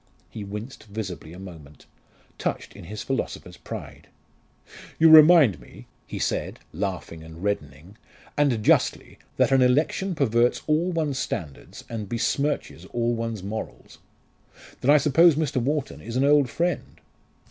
He winced visibly a moment, touched in his philosopher's pride. "You remind me," he said, laughing and reddening "and justly that an election perverts all one's standards and besmirches all one's morals. Then I suppose Mr. Wharton is an old friend?"